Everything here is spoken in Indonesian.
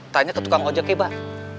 tanya ke tukang ojeknya pak